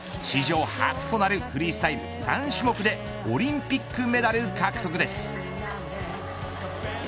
史上初となるフリースタイル３種目でオリンピックメダル獲得です。